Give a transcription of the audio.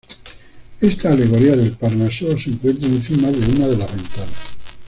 Esta alegoría del Parnaso se encuentra encima de una de las ventanas.